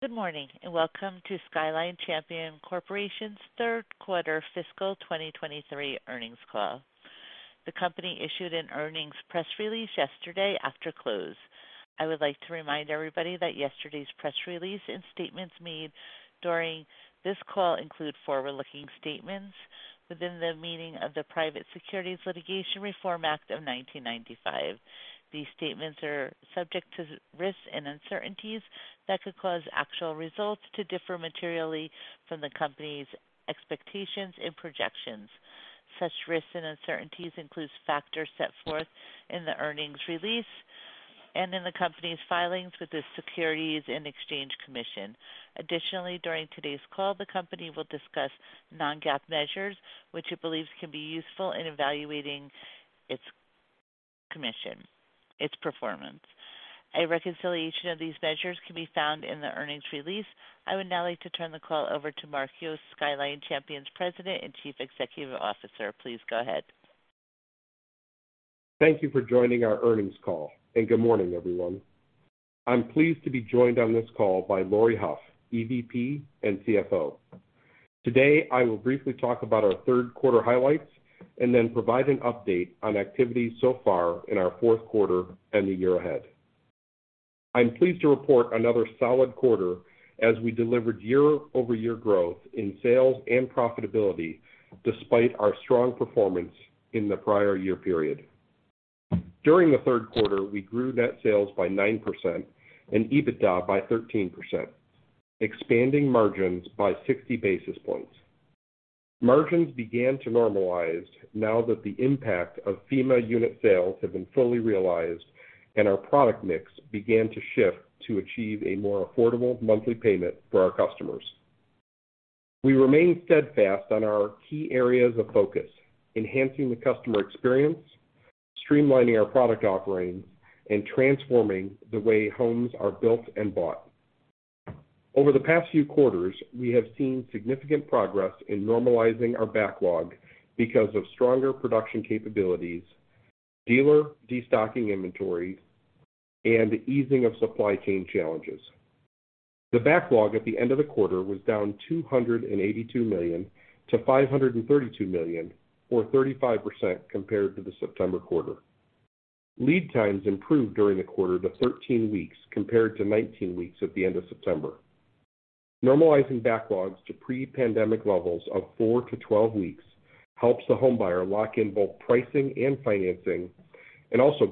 Good morning, and welcome to Skyline Champion Corporation's third quarter fiscal 2023 earnings call. The company issued an earnings press release yesterday after close. I would like to remind everybody that yesterday's press release and statements made during this call include forward-looking statements within the meaning of the Private Securities Litigation Reform Act of 1995. These statements are subject to risks and uncertainties that could cause actual results to differ materially from the company's expectations and projections. Such risks and uncertainties includes factors set forth in the earnings release and in the company's filings with the Securities and Exchange Commission. Additionally, during today's call, the company will discuss non-GAAP measures, which it believes can be useful in evaluating its performance. A reconciliation of these measures can be found in the earnings release. I would now like to turn the call over to Mark Yost, Skyline Champion's President and Chief Executive Officer. Please go ahead. Thank you for joining our earnings call, and good morning, everyone. I'm pleased to be joined on this call by Laurie Hough, EVP and CFO. Today, I will briefly talk about our third quarter highlights and then provide an update on activities so far in our fourth quarter and the year ahead. I'm pleased to report another solid quarter as we delivered year-over-year growth in sales and profitability despite our strong performance in the prior year period. During the third quarter, we grew net sales by 9% and EBITDA by 13%, expanding margins by 60 basis points. Margins began to normalize now that the impact of FEMA unit sales have been fully realized and our product mix begins to shift to achieve a more affordable monthly payment for our customers. We remain steadfast on our key areas of focus, enhancing the customer experience, streamlining our product offering, and transforming the way homes are built and bought. Over the past few quarters, we have seen significant progress in normalizing our backlog because of stronger production capabilities, dealer destocking inventory, and the easing of supply chain challenges. The backlog at the end of the quarter was down $282 million to $532 million, or 35% compared to the September quarter. Lead times improved during the quarter to 13 weeks compared to 19 weeks at the end of September. Normalizing backlogs to pre-pandemic levels of four to 12 weeks helps the homebuyer lock in both pricing and financing and also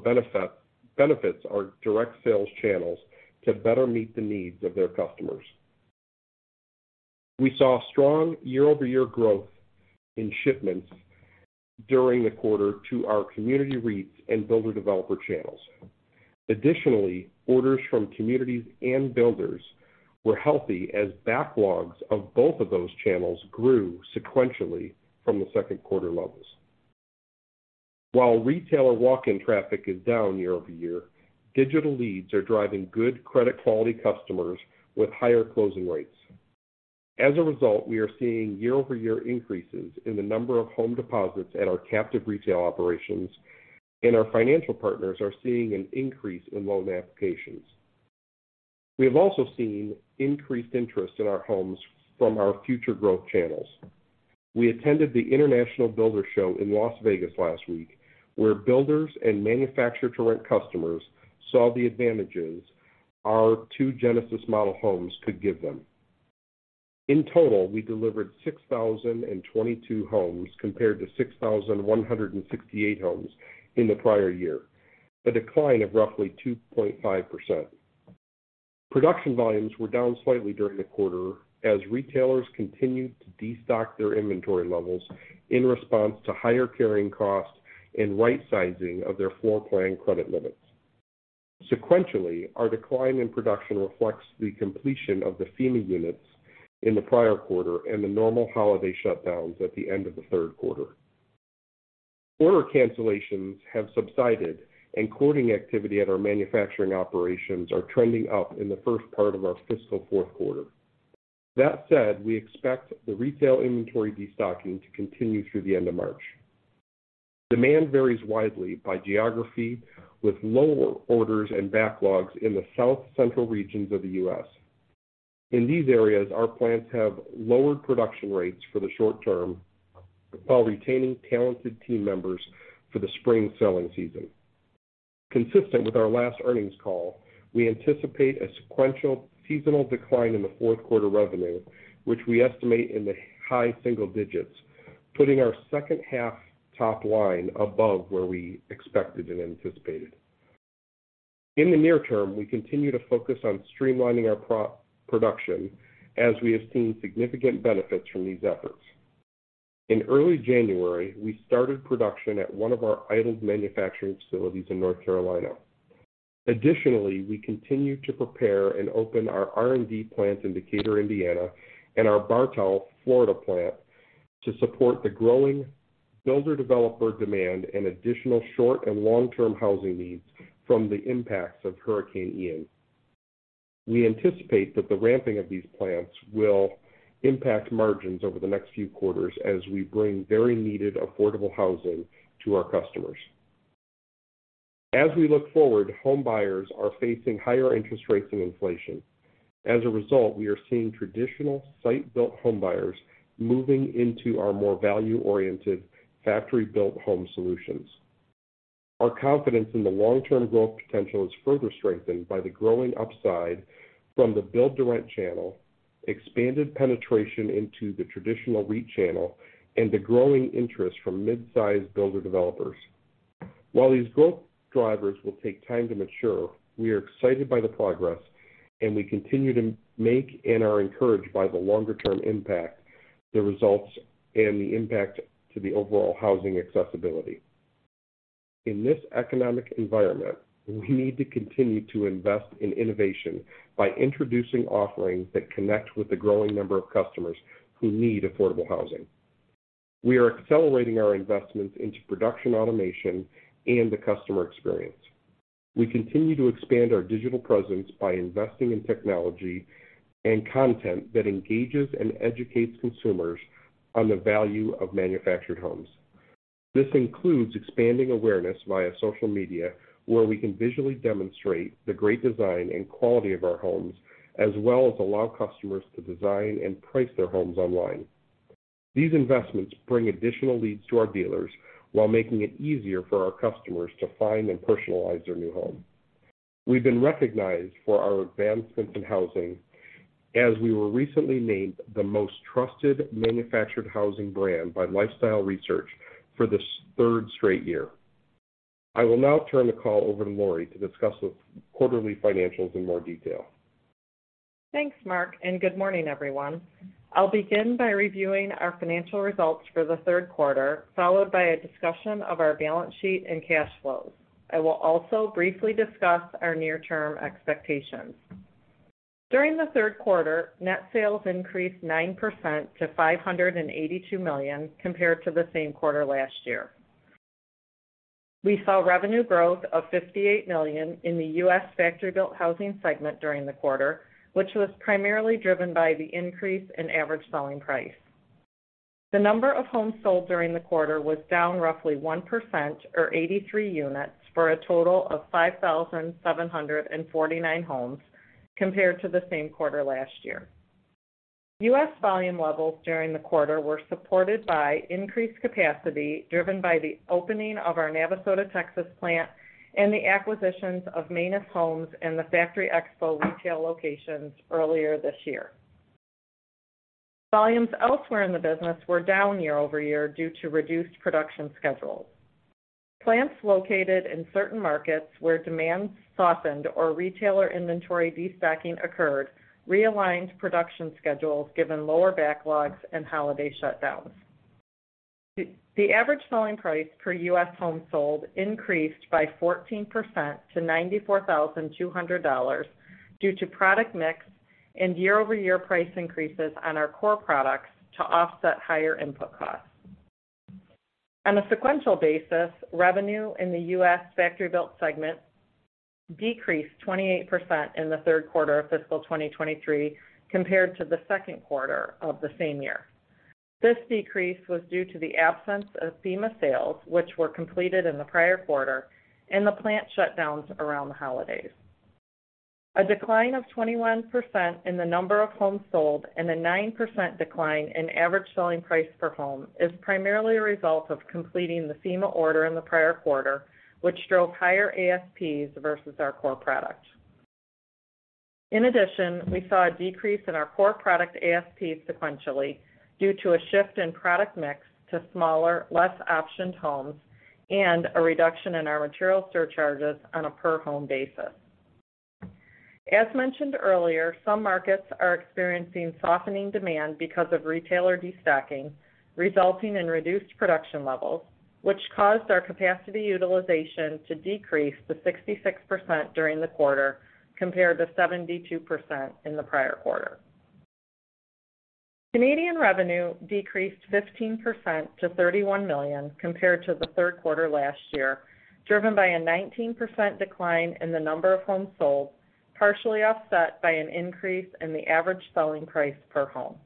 benefits our direct sales channels to better meet the needs of their customers. We saw strong year-over-year growth in shipments during the quarter to our community REITs and builder developer channels. Additionally, orders from communities and builders were healthy as backlogs of both of those channels grew sequentially from the second quarter levels. While retailer walk-in traffic is down year-over-year, digital leads are driving good credit quality customers with higher closing rates. As a result, we are seeing year-over-year increases in the number of home deposits at our captive retail operations, and our financial partners are seeing an increase in loan applications. We have also seen increased interest in our homes from our future growth channels. We attended the International Builders' Show in Las Vegas last week, where builders and manufacture-to-rent customers saw the advantages our two Genesis model homes could give them. In total, we delivered 6,022 homes compared to 6,168 homes in the prior year, a decline of roughly 2.5%. Production volumes were down slightly during the quarter as retailers continued to destock their inventory levels in response to higher carrying costs and right-sizing of their floor plan credit limits. Sequentially, our decline in production reflects the completion of the FEMA units in the prior quarter and the normal holiday shutdowns at the end of the third quarter. Order cancellations have subsided, and quoting activity at our manufacturing operations are trending up in the first part of our fiscal fourth quarter. That said, we expect the retail inventory destocking to continue through the end of March. Demand varies widely by geography, with lower orders and backlogs in the South Central regions of the U.S. In these areas, our plants have lowered production rates for the short term while retaining talented team members for the spring selling season. Consistent with our last earnings call, we anticipate a sequential seasonal decline in the fourth quarter revenue, which we estimate in the high-single digits, putting our second half top line above where we expected and anticipated. In the near term, we continue to focus on streamlining our production as we have seen significant benefits from these efforts. In early January, we started production at one of our idled manufacturing facilities in North Carolina. Additionally, we continue to prepare and open our R&D plant in Decatur, Indiana, and our Bartow, Florida plant to support the growing builder developer demand and additional short- and long-term housing needs from the impacts of Hurricane Ian. We anticipate that the ramping of these plants will impact margins over the next few quarters as we bring very needed, affordable housing to our customers. As we look forward, home buyers are facing higher interest rates and inflation. As a result, we are seeing traditional site-built home buyers moving into our more value-oriented factory-built home solutions. Our confidence in the long-term growth potential is further strengthened by the growing upside from the build-to-rent channel, expanded penetration into the traditional REIT channel, and the growing interest from midsize builder developers. While these growth drivers will take time to mature, we are excited by the progress, and we continue to make and are encouraged by the longer-term impact, the results, and the impact to the overall housing accessibility. In this economic environment, we need to continue to invest in innovation by introducing offerings that connect with the growing number of customers who need affordable housing. We are accelerating our investments into production automation and the customer experience. We continue to expand our digital presence by investing in technology and content that engages and educates consumers on the value of manufactured homes. This includes expanding awareness via social media, where we can visually demonstrate the great design and quality of our homes, as well as allow customers to design and price their homes online. These investments bring additional leads to our dealers while making it easier for our customers to find and personalize their new home. We've been recognized for our advancements in housing as we were recently named the most trusted manufactured housing brand by Lifestyle Research for this third straight year. I will now turn the call over to Laurie to discuss the quarterly financials in more detail. Thanks, Mark. Good morning, everyone. I'll begin by reviewing our financial results for the third quarter, followed by a discussion of our balance sheet and cash flows. I will also briefly discuss our near-term expectations. During the third quarter, net sales increased 9% to $582 million compared to the same quarter last year. We saw revenue growth of $58 million in the U.S. factory-built housing segment during the quarter, which was primarily driven by the increase in average selling price. The number of homes sold during the quarter was down roughly 1% or 83 units for a total of 5,749 homes compared to the same quarter last year. U.S. volume levels during the quarter were supported by increased capacity, driven by the opening of our Navasota, Texas plant and the acquisitions of Manis Homes and the Factory Expo retail locations earlier this year. Volumes elsewhere in the business were down year-over-year due to reduced production schedules. Plants located in certain markets where demand softened or retailer inventory destocking occurred realigned production schedules given lower backlogs and holiday shutdowns. The average selling price per U.S. home sold increased by 14% to $94,200 due to product mix and year-over-year price increases on our core products to offset higher input costs. On a sequential basis, revenue in the U.S. factory-built segment decreased 28% in the third quarter of fiscal 2023 compared to the second quarter of the same 2023. This decrease was due to the absence of FEMA sales, which were completed in the prior quarter and the plant shutdowns around the holidays. A decline of 21% in the number of homes sold and a 9% decline in average selling price per home is primarily a result of completing the FEMA order in the prior quarter, which drove higher ASPs versus our core product. In addition, we saw a decrease in our core product ASP sequentially due to a shift in product mix to smaller, less optioned homes and a reduction in our material surcharges on a per home basis. As mentioned earlier, some markets are experiencing softening demand because of retailer destocking, resulting in reduced production levels, which caused our capacity utilization to decrease to 66% during the quarter compared to 72% in the prior quarter. Canadian revenue decreased 15% to 31 million compared to the third quarter last year, driven by a 19% decline in the number of homes sold, partially offset by an increase in the average selling price per home.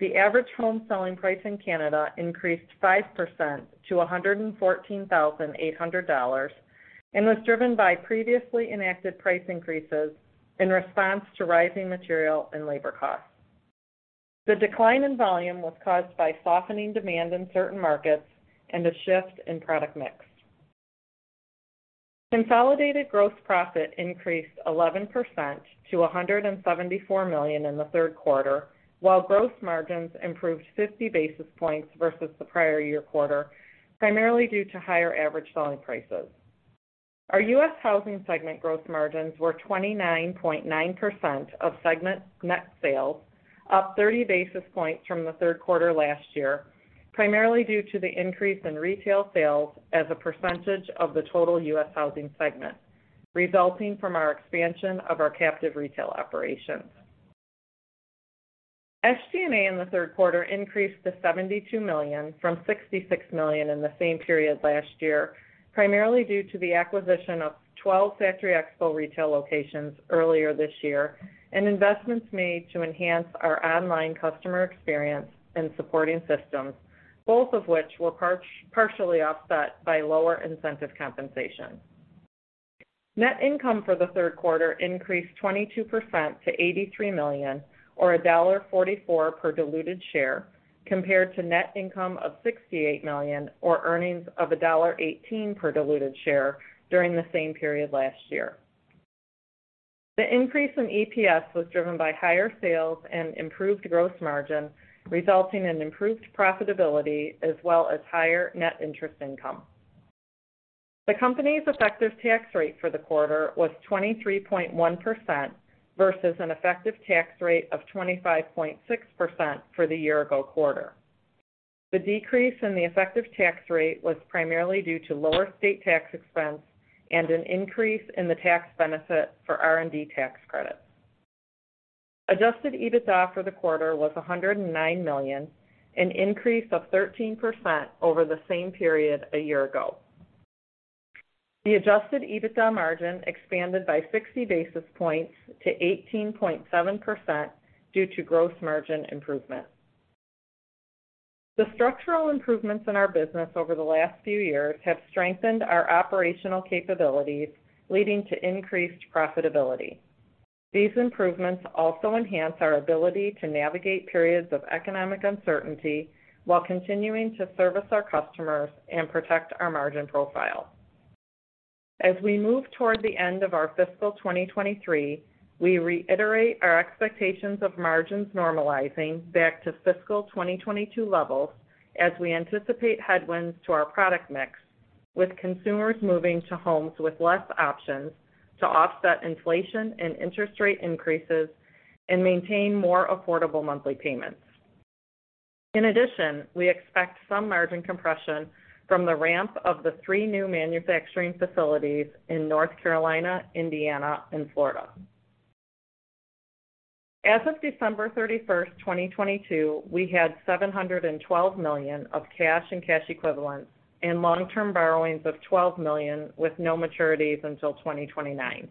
The average home selling price in Canada increased 5% to 114,800 dollars and was driven by previously enacted price increases in response to rising material and labor costs. The decline in volume was caused by softening demand in certain markets and a shift in product mix. Consolidated gross profit increased 11% to $174 million in the third quarter, while gross margins improved 50 basis points versus the prior year quarter, primarily due to higher average selling prices. Our U.S. housing segment gross margins were 29.9% of segment net sales, up 30 basis points from the third quarter last year, primarily due to the increase in retail sales as a percentage of the total U.S. housing segment, resulting from our expansion of our captive retail operations. SG&A in the third quarter increased to $72 million from $66 million in the same period last year, primarily due to the acquisition of 12 Factory Expo retail locations earlier this year and investments made to enhance our online customer experience and supporting systems, both of which were partially offset by lower incentive compensation. Net income for the third quarter increased 22% to $83 million, or $1.44 per diluted share, compared to net income of $68 million, or earnings of $1.18 per diluted share during the same period last year. The increase in EPS was driven by higher sales and improved gross margin, resulting in improved profitability as well as higher net interest income. The company's effective tax rate for the quarter was 23.1% versus an effective tax rate of 25.6% for the year ago quarter. The decrease in the effective tax rate was primarily due to lower state tax expense and an increase in the tax benefit for R&D tax credits. Adjusted EBITDA for the quarter was $109 million, an increase of 13% over the same period a year ago. The adjusted EBITDA margin expanded by 60 basis points to 18.7% due to gross margin improvement. The structural improvements in our business over the last few years have strengthened our operational capabilities, leading to increased profitability. These improvements also enhance our ability to navigate periods of economic uncertainty while continuing to service our customers and protect our margin profile. As we move toward the end of our fiscal 2023, we reiterate our expectations of margins normalizing back to fiscal 2022 levels as we anticipate headwinds to our product mix, with consumers moving to homes with less options to offset inflation and interest rate increases and maintain more affordable monthly payments. In addition, we expect some margin compression from the ramp of the three new manufacturing facilities in North Carolina, Indiana, and Florida. As of December 31st, 2022, we had $712 million of cash and cash equivalents, and long-term borrowings of $12 million with no maturities until 2029.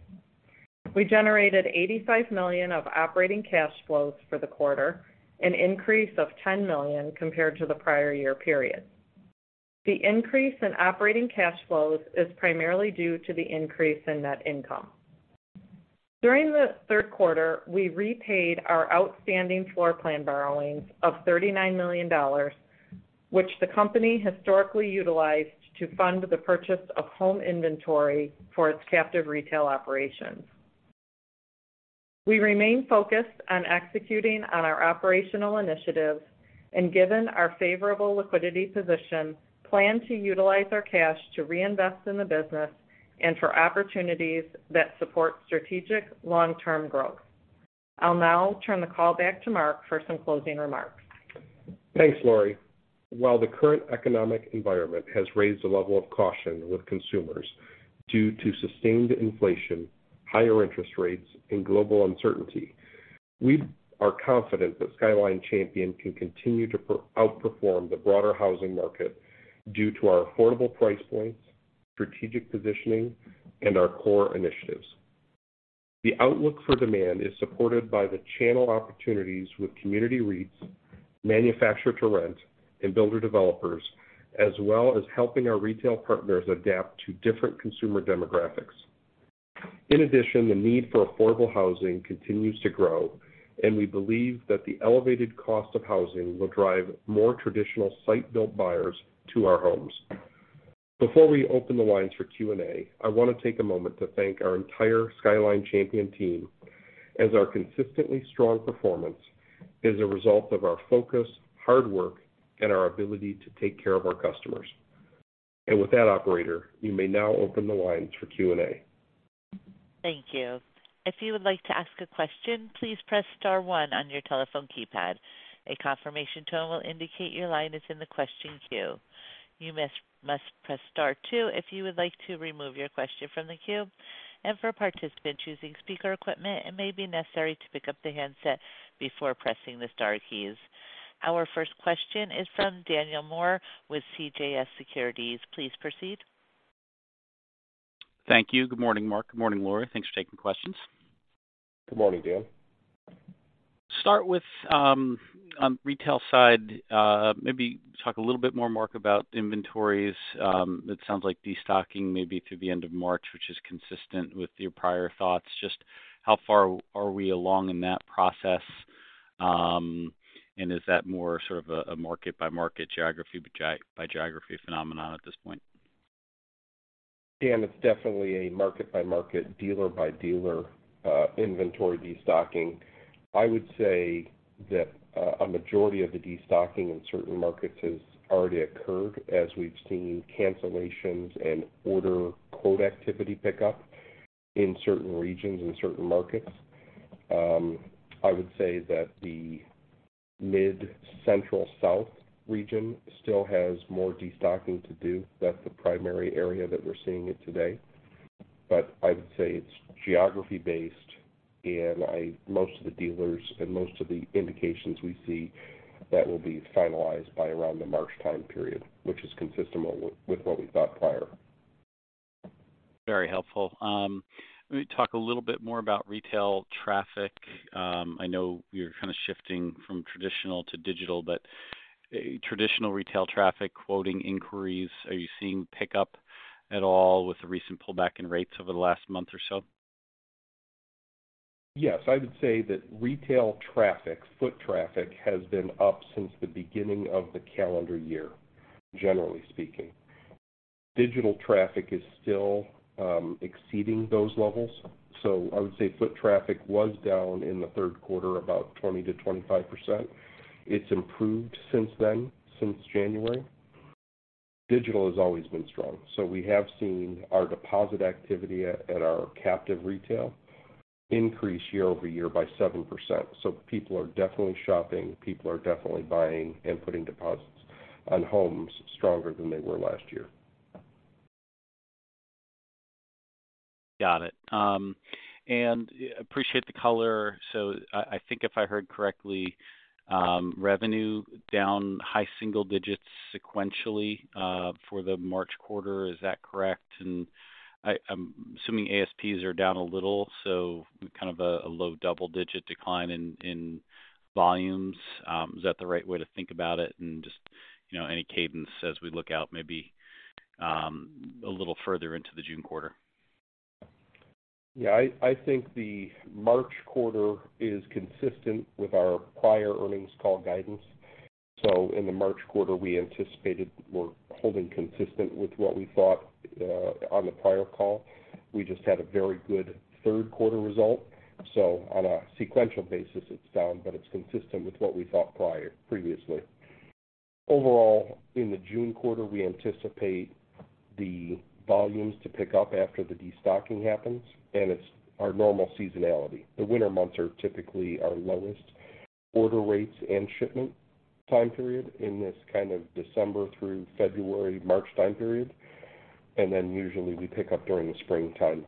We generated $85 million of operating cash flows for the quarter, an increase of $10 million compared to the prior year period. The increase in operating cash flows is primarily due to the increase in net income. During the third quarter, we repaid our outstanding floor plan borrowings of $39 million, which the company historically utilized to fund the purchase of home inventory for its captive retail operations. Given our favorable liquidity position, plan to utilize our cash to reinvest in the business and for opportunities that support strategic long-term growth. I'll now turn the call back to Mark for some closing remarks. Thanks, Laurie. While the current economic environment has raised a level of caution with consumers due to sustained inflation, higher interest rates, and global uncertainty, we are confident that Skyline Champion can continue to outperform the broader housing market due to our affordable price points, strategic positioning, and our core initiatives. The outlook for demand is supported by the channel opportunities with community REITs, manufactured-to-rent, and builder developers, as well as helping our retail partners adapt to different consumer demographics. The need for affordable housing continues to grow, and we believe that the elevated cost of housing will drive more traditional site-built buyers to our homes. Before we open the lines for Q&A, I want to take a moment to thank our entire Skyline Champion team, as our consistently strong performance is a result of our focus, hard work, and our ability to take care of our customers. With that operator, you may now open the lines for Q&A. Thank you. If you would like to ask a question, please press star one on your telephone keypad. A confirmation tone will indicate your line is in the question queue. You must press star two if you would like to remove your question from the queue. For participants using speaker equipment, it may be necessary to pick up the handset before pressing the star keys. Our first question is from Daniel Moore with CJS Securities. Please proceed. Thank you. Good morning, Mark. Good morning, Laurie. Thanks for taking questions. Good morning, Dan. Start with, on retail side, maybe talk a little bit more, Mark, about inventories. It sounds like destocking maybe through the end of March, which is consistent with your prior thoughts. Just how far are we along in that process, and is that more sort of a market-by-market, geography-by-geography phenomenon at this point? Dan, it's definitely a market-by-market, dealer-by-dealer, inventory destocking. I would say that a majority of the destocking in certain markets has already occurred as we've seen cancellations and order quote activity pick up in certain regions and certain markets. I would say that the Mid-Central South Region still has more destocking to do. That's the primary area that we're seeing it today. I would say it's geography based, most of the dealers and most of the indications we see, that will be finalized by around the March time period, which is consistent with what we thought prior. Very helpful. Let me talk a little bit more about retail traffic. I know you're kind of shifting from traditional to digital, but a traditional retail traffic quoting inquiries. Are you seeing pickup at all with the recent pullback in rates over the last month or so? Yes. I would say that retail traffic, foot traffic has been up since the beginning of the calendar year, generally speaking. Digital traffic is still exceeding those levels. I would say foot traffic was down in the third quarter about 20%-25%. It's improved since then, since January. Digital has always been strong, we have seen our deposit activity at our captive retail increase year-over-year by 7%. People are definitely shopping, people are definitely buying and putting deposits on homes stronger than they were last year. Got it. Appreciate the color. I think if I heard correctly, revenue down high-single digits sequentially for the March quarter. Is that correct? I'm assuming ASPs are down a little, so kind of a low double-digit decline in volumes. Is that the right way to think about it? Just, you know, any cadence as we look out maybe a little further into the June quarter. I think the March quarter is consistent with our prior earnings call guidance. In the March quarter, we anticipated we're holding consistent with what we thought on the prior call. We just had a very good third quarter result. On a sequential basis, it's down, but it's consistent with what we thought prior previously. Overall, in the June quarter, we anticipate the volumes to pick up after the destocking happens, and it's our normal seasonality. The winter months are typically our lowest order rates and shipment time period in this kind of December through February, March time period. Usually we pick up during the springtime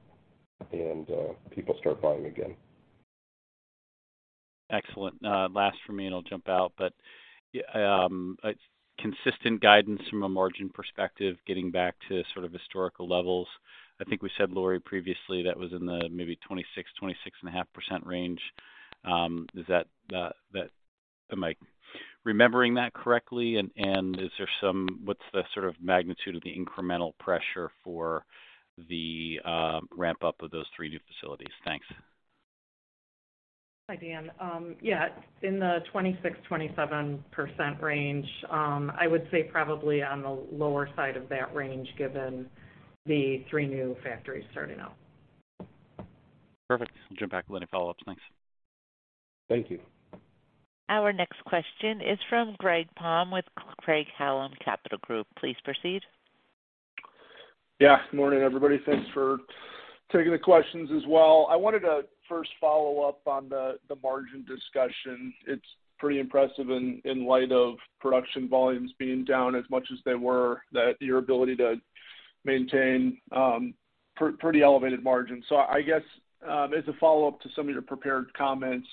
and people start buying again. Excellent. Last for me, and I'll jump out. Consistent guidance from a margin perspective, getting back to sort of historical levels. I think we said, Laurie, previously that was in the maybe 26%, 26.5% range. Is that am I remembering that correctly? Is there what's the sort of magnitude of the incremental pressure for the ramp up of those three new facilities? Thanks. Hi, Dan. Yeah, in the 26%-27% range, I would say probably on the lower side of that range, given the three new factories starting out. Perfect. I'll jump back with any follow-ups. Thanks. Thank you. Our next question is from Greg Palm with Craig-Hallum Capital Group. Please proceed. Yeah. Good morning, everybody. Thanks for taking the questions as well. I wanted to first follow up on the margin discussion. It's pretty impressive in light of production volumes being down as much as they were, that your ability to maintain pretty elevated margins. I guess, as a follow-up to some of your prepared comments,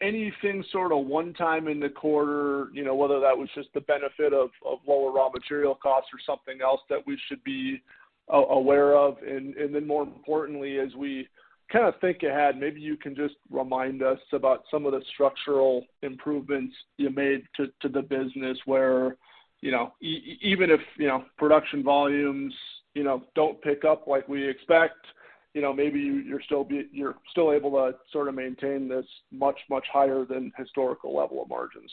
anything sort of one time in the quarter, you know, whether that was just the benefit of lower raw material costs or something else that we should be aware of? Then more importantly, as we kind of think ahead, maybe you can just remind us about some of the structural improvements you made to the business where, you know, even if, you know, production volumes, you know, don't pick up like we expect, you know, maybe you're still able to sort of maintain this much higher than historical level of margins.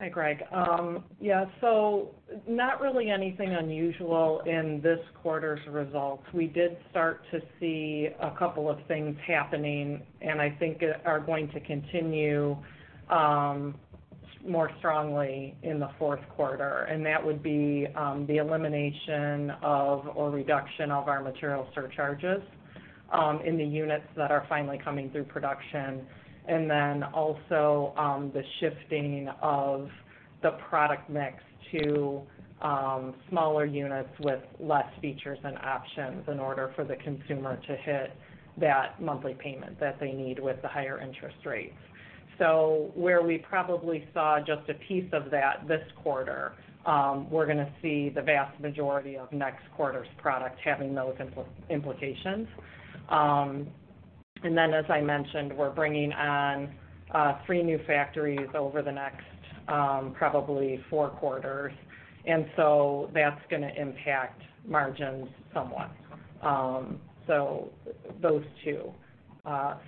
Hi, Greg. Yeah, not really anything unusual in this quarter's results. We did start to see a couple of things happening, and I think are going to continue more strongly in the fourth quarter, and that would be the elimination of or reduction of our material surcharges in the units that are finally coming through production. Also, the shifting of the product mix to smaller units with less features and options in order for the consumer to hit that monthly payment that they need with the higher interest rates. Where we probably saw just a piece of that this quarter, we're going to see the vast majority of next quarter's product having those implications. As I mentioned, we're bringing on three new factories over the next probably four quarters, that's going to impact margins somewhat. Those two.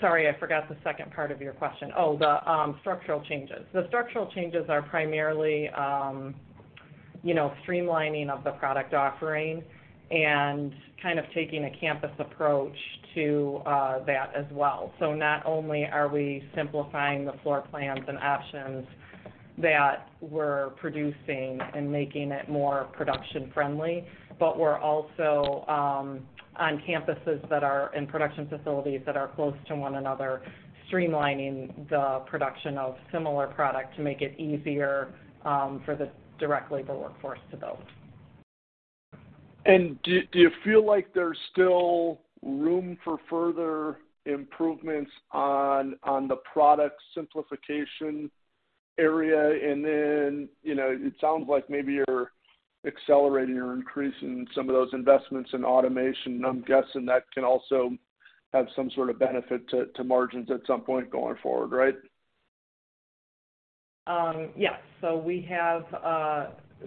Sorry, I forgot the second part of your question. The structural changes. The structural changes are primarily, you know, streamlining of the product offering and kind of taking a campus approach to that as well. Not only are we simplifying the floor plans and options that we're producing and making it more production friendly, but we're also on campuses that are in production facilities that are close to one another, streamlining the production of similar product to make it easier for the direct labor workforce to build. Do you feel like there's still room for further improvements on the product simplification area? Then, you know, it sounds like maybe you're accelerating or increasing some of those investments in automation, I'm guessing that can also have some sort of benefit to margins at some point going forward, right? Yes. We have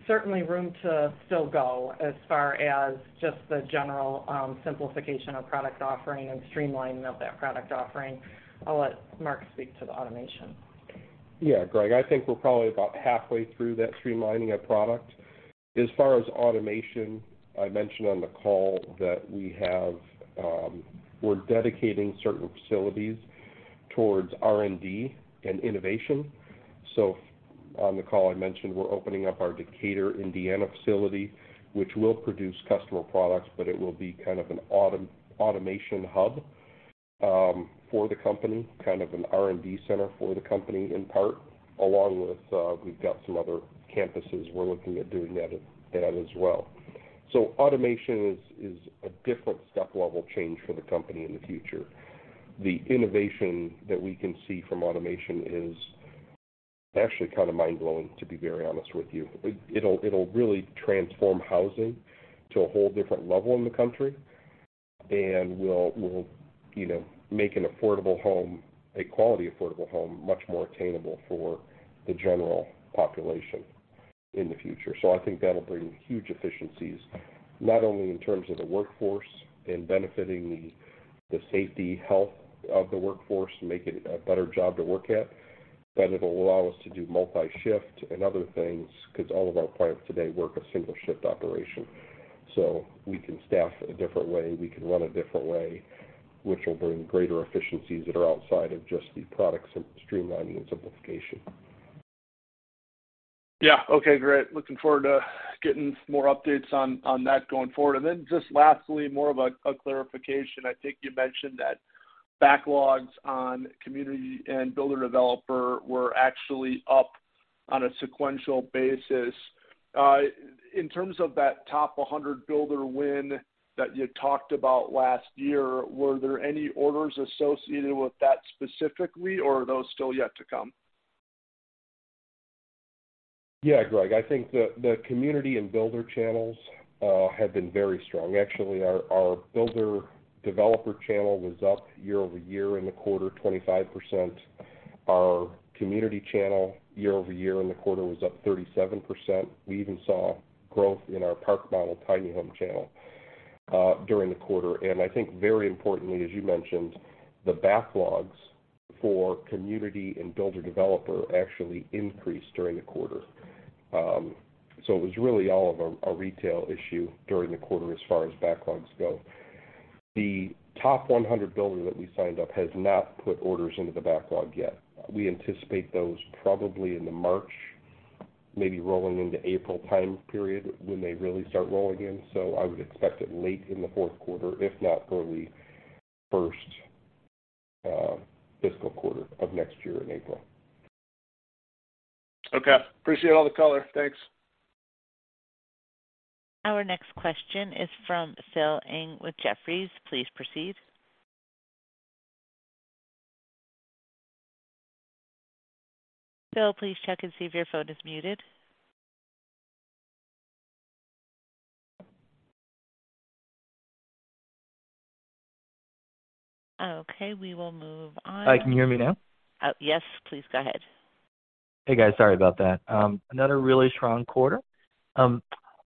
certainly room to still go as far as just the general simplification of product offering and streamlining of that product offering. I'll let Mark speak to the automation. Greg, I think we're probably about halfway through that streamlining of product. As far as automation, I mentioned on the call that we have, we're dedicating certain facilities towards R&D and innovation. On the call, I mentioned we're opening up our Decatur, Indiana facility, which will produce customer products, but it will be kind of an automation hub for the company, kind of an R&D center for the company in part, along with, we've got some other campuses we're looking at doing that as well. Automation is a different step-level change for the company in the future. The innovation that we can see from automation is actually kind of mind-blowing, to be very honest with you. It'll really transform housing to a whole different level in the country and will, you know, make an affordable home, a quality affordable home, much more attainable for the general population in the future. I think that'll bring huge efficiencies, not only in terms of the workforce in benefiting the safety, health of the workforce to make it a better job to work at, but it'll allow us to do multi-shift and other things 'cause all of our plants today work a single-shift operation. We can staff a different way, we can run a different way, which will bring greater efficiencies that are outside of just the products and streamlining and simplification. Yeah. Okay, great. Looking forward to getting more updates on that going forward. Just lastly, more of a clarification. I think you mentioned that backlogs on community and builder developer were actually up on a sequential basis. In terms of that top 100 builder win that you talked about last year, were there any orders associated with that specifically, or are those still yet to come? Yeah, Greg. I think the community and builder channels have been very strong. Actually, our builder developer channel was up year-over-year in the quarter, 25%. Our community channel year-over-year in the quarter was up 37%. We even saw growth in our park model tiny home channel during the quarter. I think very importantly, as you mentioned, the backlogs for community and builder developer actually increased during the quarter. It was really all of a retail issue during the quarter as far as backlogs go. The top 100 builder that we signed up has not put orders into the backlog yet. We anticipate those probably in the March, maybe rolling into April time period when they really start rolling in. I would expect it late in the fourth quarter, if not early first fiscal quarter of next year in April. Okay. Appreciate all the color. Thanks. Our next question is from Phil Ng with Jefferies. Please proceed. Phil, please check and see if your phone is muted. Okay, we will move on. Hi, can you hear me now? Yes, please go ahead. Hey, guys. Sorry about that. Another really strong quarter.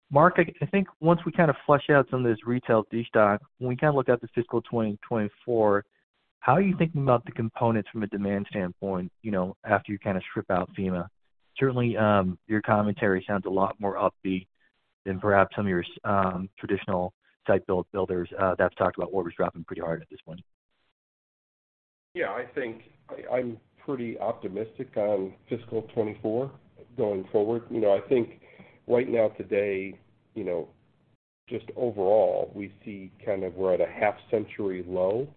Mark, I think once we kind of flush out some of this retail destock, when we kind of look out to fiscal 2024, how are you thinking about the components from a demand standpoint, you know, after you kind of strip out FEMA? Certainly, your commentary sounds a lot more upbeat than perhaps some of your traditional site build builders, that's talked about orders dropping pretty hard at this point. Yeah, I'm pretty optimistic on fiscal 2024 going forward. You know, I think right now today, you know, just overall, we see kind of we're at a half-century low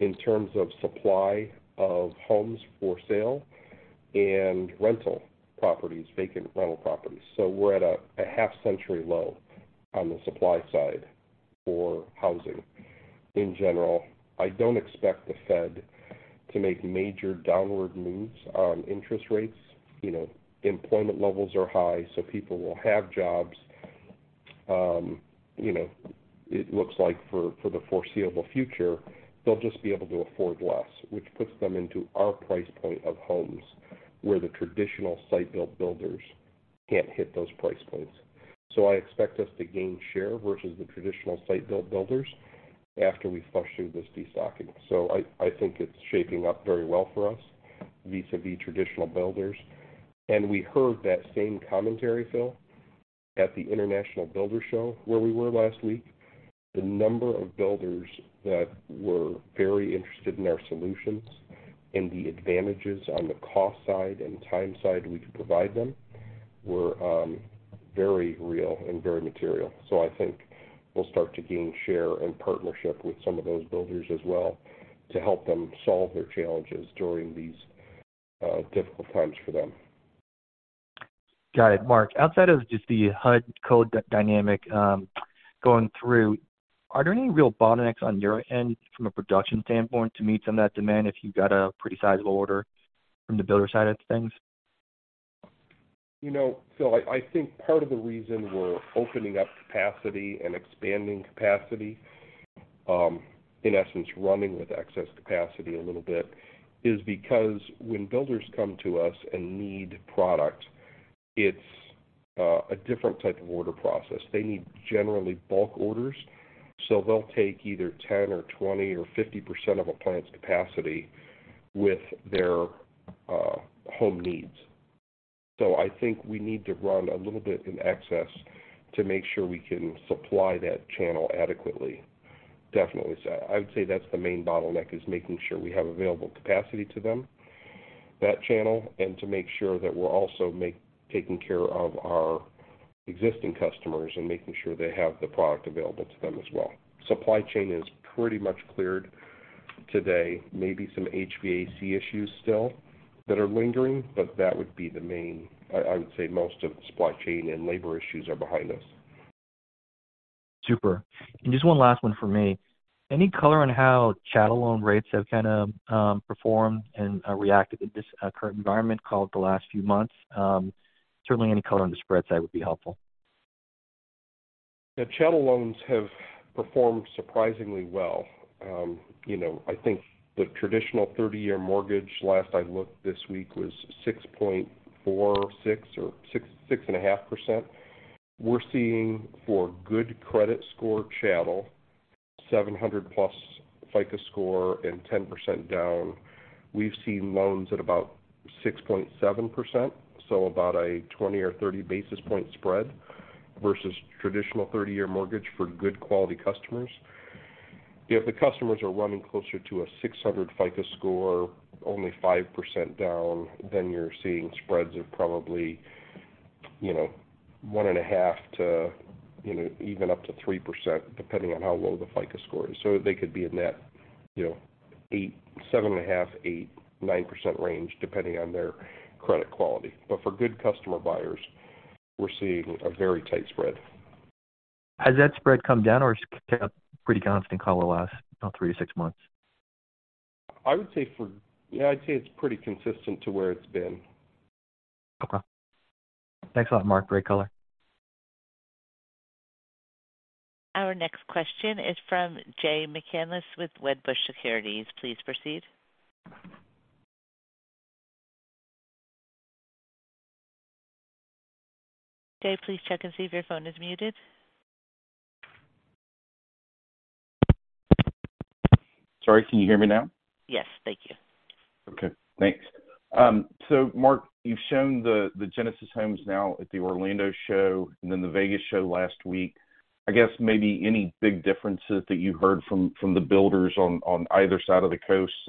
in terms of supply of homes for sale and rental properties, vacant rental properties. We're at a half-century low on the supply side for housing in general. I don't expect the Fed to make major downward moves on interest rates. You know, employment levels are high, so people will have jobs, you know, it looks like for the foreseeable future, they'll just be able to afford less, which puts them into our price point of homes where the traditional site build builders can't hit those price points. I expect us to gain share versus the traditional site build builders after we flush through this destocking. I think it's shaping up very well for us vis-à-vis traditional builders. We heard that same commentary, Phil, at the International Builders' Show where we were last week. The number of builders that were very interested in our solutions and the advantages on the cost side and time side we could provide them were very real and very material. I think we'll start to gain share and partnership with some of those builders as well to help them solve their challenges during these difficult times for them. Got it. Mark, outside of just the HUD Code dynamic, are there any real bottlenecks on your end from a production standpoint to meet some of that demand if you've got a pretty sizable order from the builder side of things? You know, Phil, I think part of the reason we're opening up capacity and expanding capacity, in essence, running with excess capacity a little bit, is because when builders come to us and need product, it's a different type of order process. They need generally bulk orders, they'll take either 10% or 20% or 50% of a plant's capacity with their home needs. I think we need to run a little bit in excess to make sure we can supply that channel adequately. Definitely. I would say that's the main bottleneck, is making sure we have available capacity to them, that channel, and to make sure that we're also taking care of our existing customers and making sure they have the product available to them as well. Supply chain is pretty much cleared today. Maybe some HVAC issues still that are lingering, but that would be the main. I would say most of the supply chain and labor issues are behind us. Super. Just one last one from me. Any color on how chattel loan rates have kind of performed and reacted in this current environment called the last few months? Certainly any color on the spread side would be helpful. The chattel loans have performed surprisingly well. You know, I think the traditional 30-year mortgage, last I looked this week, was 6.46% or 6.5%. We're seeing for good credit score chattel, 700+ FICO score and 10% down, we've seen loans at about 6.7%, so about a 20 or 30 basis point spread versus traditional 30-year mortgage for good quality customers. If the customers are running closer to a 600 FICO score, only 5% down, you're seeing spreads of probably, you know, 1.5% to, you know, even up to 3% depending on how low the FICO score is. They could be in that, you know, 8%, 7.5%, 8%, 9% range, depending on their credit quality. For good customer buyers, we're seeing a very tight spread. Has that spread come down or has it stayed up pretty constant call the last, oh, three to six months? Yeah, I'd say it's pretty consistent to where it's been. Okay. Thanks a lot, Mark. Great color. Our next question is from Jay McCanless with Wedbush Securities. Please proceed. Jay, please check and see if your phone is muted. Sorry, can you hear me now? Yes. Thank you. Okay. Thanks. Mark, you've shown the Genesis Homes now at the Orlando show and then the Vegas show last week. I guess maybe any big differences that you heard from the builders on either side of the coasts?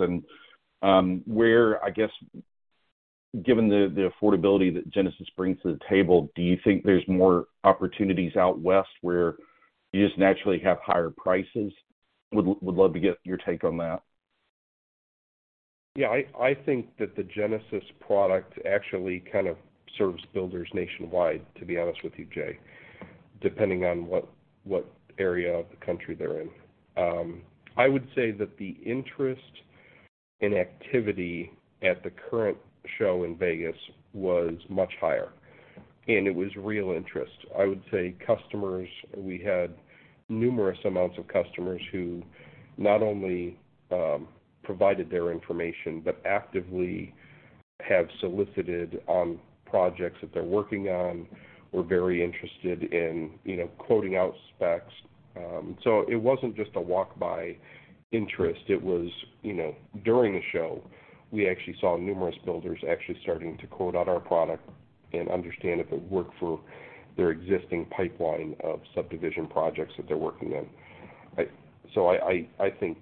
Where, given the affordability that Genesis Homes brings to the table, do you think there's more opportunities out west where you just naturally have higher prices? Would love to get your take on that. Yeah, I think that the Genesis product actually kind of serves builders nationwide, to be honest with you, Jay, depending on what area of the country they're in. I would say that the interest and activity at the current show in Vegas was much higher. It was real interest. I would say customers, we had numerous amounts of customers who not only provided their information but actively have solicited on projects that they're working on. We're very interested in, you know, quoting out specs. It wasn't just a walk-by interest. It was, you know, during the show, we actually saw numerous builders actually starting to quote out our product and understand if it worked for their existing pipeline of subdivision projects that they're working on. I think,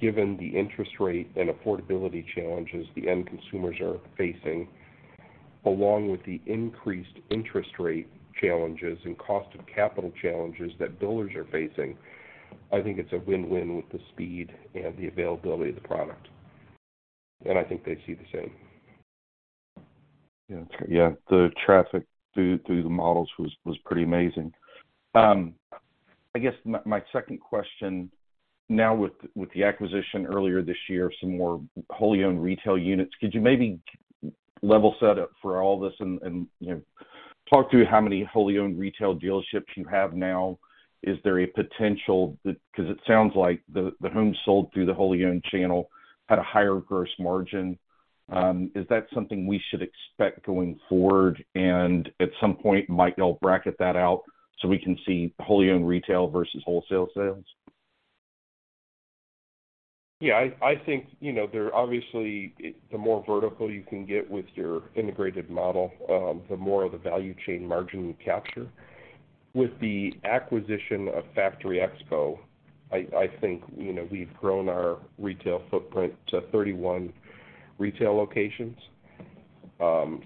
given the interest rate and affordability challenges the end consumers are facing, along with the increased interest rate challenges and cost of capital challenges that builders are facing, I think it's a win-win with the speed and the availability of the product. I think they see the same. Yeah. The traffic through the models was pretty amazing. I guess my second question now with the acquisition earlier this year, some more wholly owned retail units, could you maybe level set up for all this and, you know, talk through how many wholly owned retail dealerships you have now? Is there a potential that... 'cause it sounds like the homes sold through the wholly owned channel had a higher gross margin. Is that something we should expect going forward? At some point, might y'all bracket that out so we can see wholly owned retail versus wholesale sales? I think, you know, there are obviously, the more vertical you can get with your integrated model, the more of the value chain margin you capture. With the acquisition of Factory Expo, I think, you know, we've grown our retail footprint to 31 retail locations.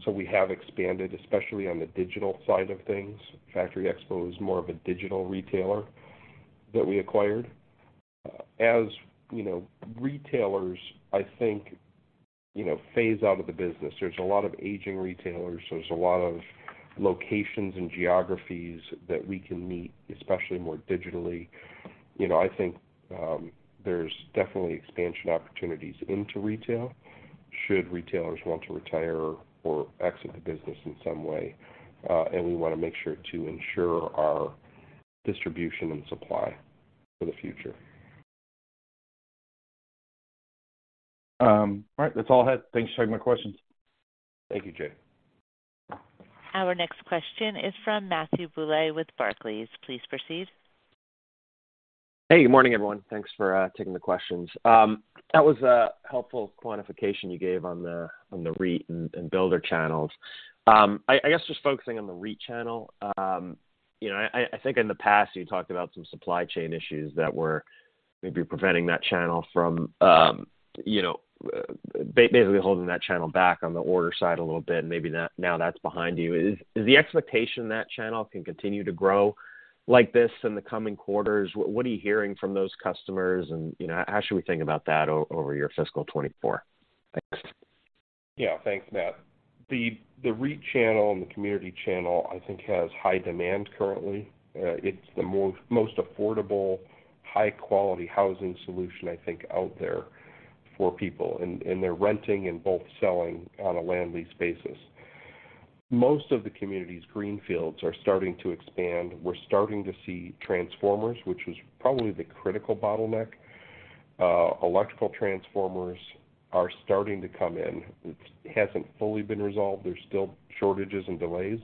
We have expanded, especially on the digital side of things. Factory Expo is more of a digital retailer that we acquired. You know, retailers, I think you know, phase out of the business. There's a lot of aging retailers, there's a lot of locations and geographies that we can meet, especially more digitally. You know, I think, there's definitely expansion opportunities into retail should retailers want to retire or exit the business in some way. We wanna make sure to ensure our distribution and supply for the future. All right, that's all I had. Thanks for taking my questions. Thank you, Jay. Our next question is from Matthew Bouley with Barclays. Please proceed. Hey, good morning, everyone. Thanks for taking the questions. That was a helpful quantification you gave on the REIT and builder channels. I guess just focusing on the REIT channel, you know, I think in the past, you talked about some supply chain issues that were maybe preventing that channel from, you know, basically holding that channel back on the order side a little bit, maybe that now that's behind you. Is the expectation that channel can continue to grow like this in the coming quarters? What are you hearing from those customers? You know, how should we think about that over your fiscal 2024? Thanks. Yeah. Thanks, Matt. The REIT channel and the community channel, I think, has high demand currently. It's the most affordable, high-quality housing solution, I think, out there for people, and they're renting and both selling on a land lease basis. Most of the community's greenfields are starting to expand. We're starting to see transformers, which was probably the critical bottleneck. Electrical transformers are starting to come in. It hasn't fully been resolved. There's still shortages and delays.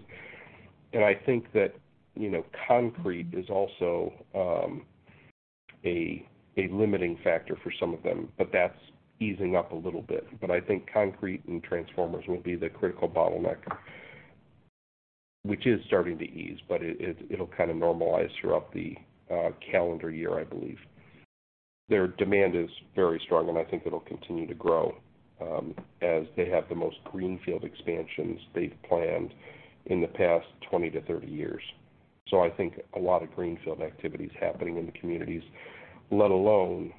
I think that, you know, concrete is also, a limiting factor for some of them, but that's easing up a little bit. I think concrete and transformers will be the critical bottleneck, which is starting to ease, but it'll kinda normalize throughout the calendar year, I believe. Their demand is very strong. I think it'll continue to grow as they have the most greenfield expansions they've planned in the past 20-30 years. I think a lot of greenfield activity is happening in the communities, let alone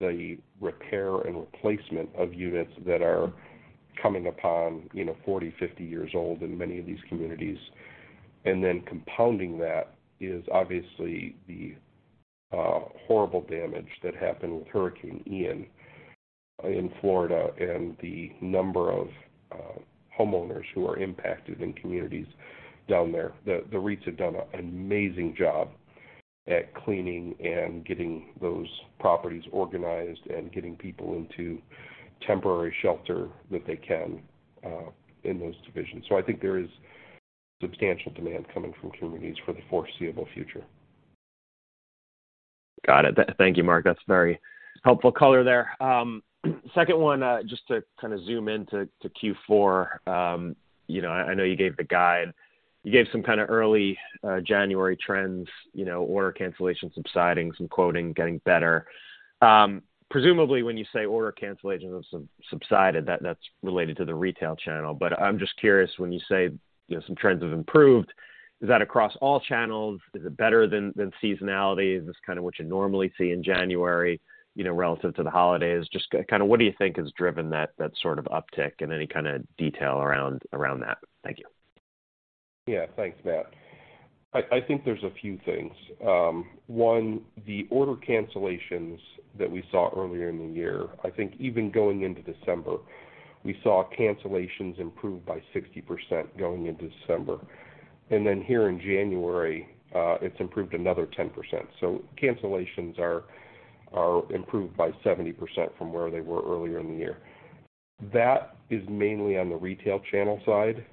the repair and replacement of units that are coming upon, you know, 40, 50 years old in many of these communities. Compounding that is obviously the horrible damage that happened with Hurricane Ian in Florida and the number of homeowners who are impacted in communities down there. The REITs have done an amazing job at cleaning and getting those properties organized and getting people into temporary shelter that they can in those divisions. I think there is substantial demand coming from communities for the foreseeable future. Got it. Thank you, Mark. That's very helpful color there. Second one, just to kinda zoom in to Q4. You know, I know you gave the guide. You gave some kinda early January trends, you know, order cancellation subsiding, some quoting getting better. Presumably, when you say order cancellations have subsided, that's related to the retail channel. I'm just curious, when you say, you know, some trends have improved, is that across all channels? Is it better than seasonality? Is this kinda what you normally see in January, you know, relative to the holidays? Just kinda what do you think has driven that sort of uptick and any kinda detail around that? Thank you. Yeah. Thanks, Matt. I think there's a few things. One, the order cancellations that we saw earlier in the year, I think even going into December, we saw cancellations improve by 60% going into December. Here in January, it's improved another 10%. Cancellations are improved by 70% from where they were earlier in the year. That is mainly on the retail channel side.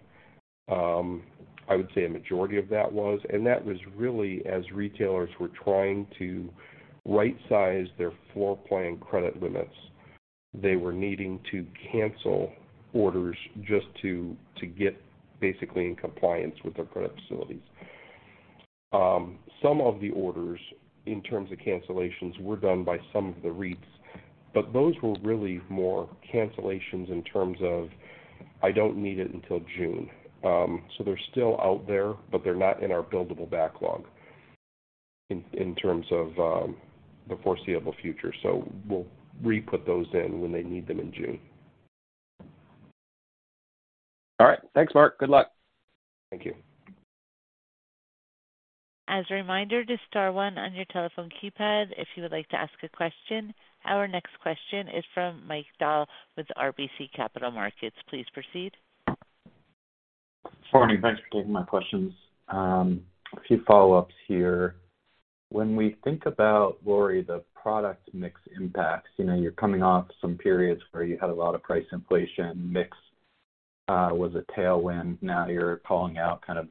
I would say a majority of that was. That was really as retailers were trying to right-size their floor plan credit limits. They were needing to cancel orders just to get basically in compliance with their credit facilities. Some of the orders in terms of cancellations were done by some of the REITs, those were really more cancellations in terms of, I don't need it until June. They're still out there, but they're not in our buildable backlog in terms of the foreseeable future. We'll re-put those in when they need them in June. All right. Thanks, Mark. Good luck. Thank you. As a reminder to star one on your telephone keypad if you would like to ask a question. Our next question is from Mike Dahl with RBC Capital Markets. Please proceed. Morning. Thanks for taking my questions. A few follow-ups here. When we think about, Laurie, the product mix impacts, you know, you're coming off some periods where you had a lot of price inflation, mix, was a tailwind. Now you're calling out kind of,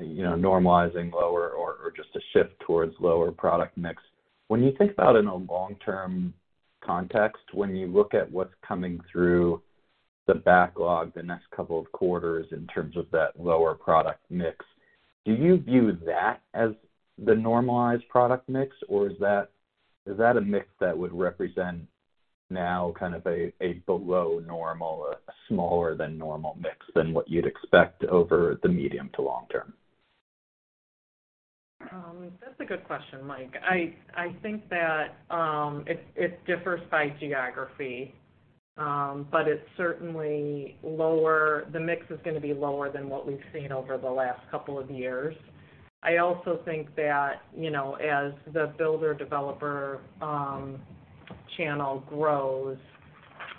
you know, normalizing lower or just a shift towards lower product mix. When you think about in a long-term context, when you look at what's coming through the backlog the next couple of quarters in terms of that lower product mix, do you view that as the normalized product mix, or is that a mix that would represent now kind of a below normal, a smaller than normal mix than what you'd expect over the medium to long term? That's a good question, Mike. I think that it differs by geography, but it's certainly lower. The mix is going to be lower than what we've seen over the last couple of years. I also think that, you know, as the builder-developer channel grows,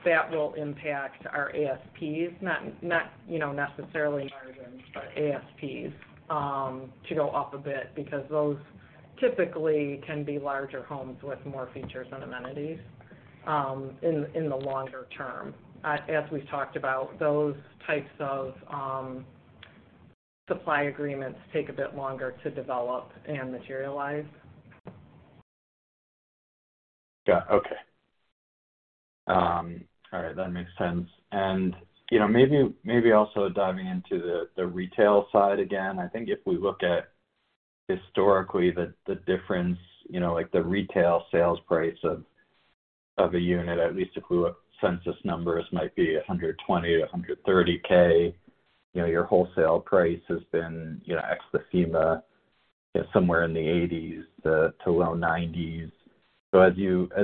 that will impact our ASPs, not, you know, necessarily margins, but ASPs, to go up a bit because those typically can be larger homes with more features and amenities in the longer term. As we've talked about, those types of supply agreements take a bit longer to develop and materialize. Yeah. Okay. That makes sense. You know, maybe also diving into the retail side again, I think if we look at historically the difference, you know, like, the retail sales price of a unit, at least if we went census numbers, might be $120K-$130K. You know, your wholesale price has been, you know, ex the FEMA, you know, somewhere in the $80s to low $90s. As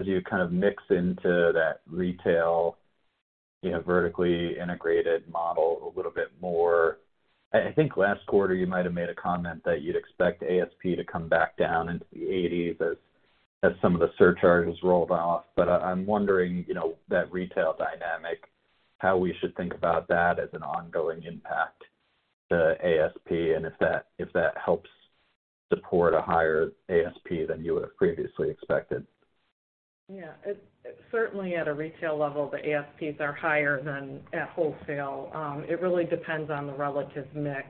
you kind of mix into that retail, you know, vertically integrated model a little bit more, I think last quarter you might have made a comment that you'd expect ASP to come back down into the $80s as some of the surcharges rolled off. I'm wondering, you know, that retail dynamic, how we should think about that as an ongoing impact to ASP and if that, if that helps support a higher ASP than you would have previously expected. It certainly at a retail level, the ASPs are higher than at wholesale. It really depends on the relative mix.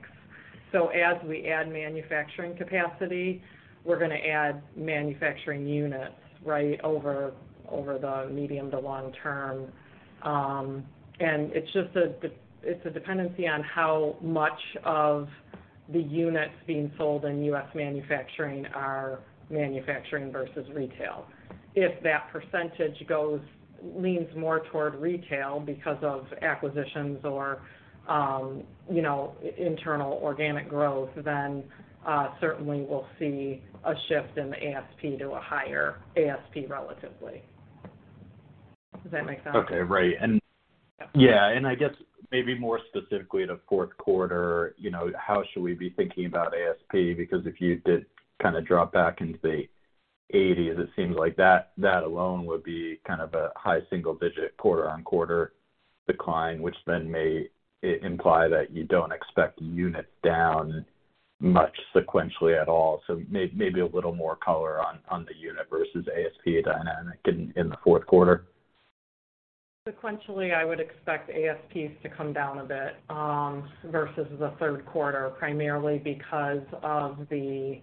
As we add manufacturing capacity, we're gonna add manufacturing units, right, over the medium to long term. It's a dependency on how much of the units being sold in U.S. manufacturing are manufacturing versus retail. If that percentage leans more toward retail because of acquisitions or, you know, internal organic growth, certainly we'll see a shift in the ASP to a higher ASP relatively. Does that make sense? Okay. Right. Yeah. I guess maybe more specifically to fourth quarter, you know, how should we be thinking about ASP? Because if you did kind of drop back into the 80s, it seems like that alone would be kind of a high-single-digit quarter-on-quarter decline, which then may imply that you don't expect units down much sequentially at all. Maybe a little more color on the unit versus ASP dynamic in the fourth quarter. Sequentially, I would expect ASPs to come down a bit versus the third quarter, primarily because of the,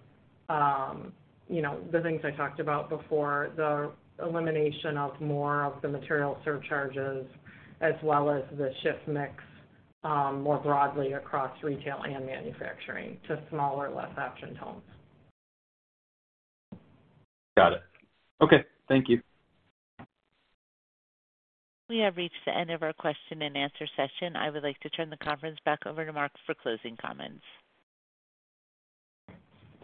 you know, the things I talked about before, the elimination of more of the material surcharges as well as the shift mix, more broadly across retail and manufacturing to smaller, less optioned homes. Got it. Okay. Thank you. We have reached the end of our question-and-answer session. I would like to turn the conference back over to Mark for closing comments.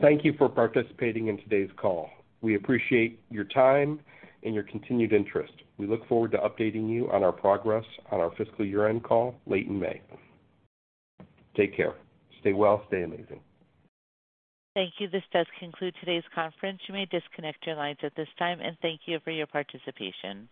Thank you for participating in today's call. We appreciate your time and your continued interest. We look forward to updating you on our progress on our fiscal year-end call late in May. Take care. Stay well, stay amazing. Thank you. This does conclude today's conference. You may disconnect your lines at this time, and thank you for your participation.